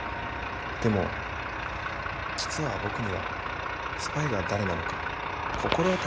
でも実は僕にはスパイが誰なのか心当たりがありまして。